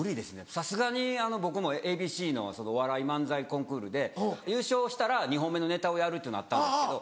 さすがに僕もＡＢＣのお笑い漫才コンクールで優勝したら２本目のネタをやるっていうのあったんですけど